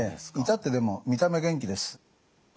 至ってでも見た目元気です。